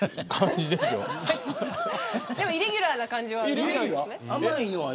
でもイレギュラーな感じは。